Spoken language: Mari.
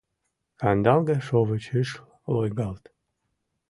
Кандалге шовыч ыш лойгалт.